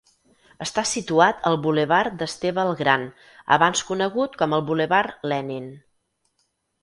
Està situat al bulevard d'Esteve el Gran, abans conegut com el bulevard Lenin.